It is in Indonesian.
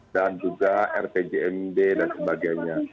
dan juga rtjmd dan sebagainya